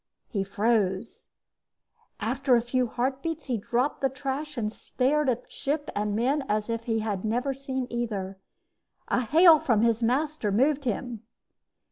He froze. After a few heartbeats, he dropped the trash and stared at ship and men as if he had never seen either. A hail from his master moved him.